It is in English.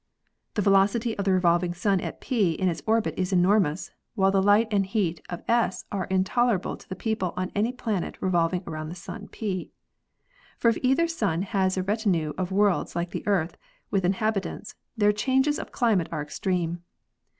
The velocity of the revolving sun at P in its orbit is enormous, while the light and heat of S are intol erable to the people on any planet revolving around the sun P. For if either sun has a retinue of worlds like the Earth, with inhabitants, their changes of climate are extreme.